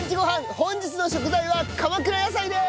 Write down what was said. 本日の食材は鎌倉野菜です！